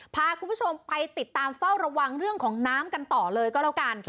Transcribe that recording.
พาคุณผู้ชมไปติดตามเฝ้าระวังเรื่องของน้ำกันต่อเลยก็แล้วกัน